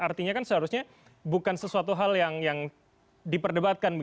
artinya kan seharusnya bukan sesuatu hal yang diperdebatkan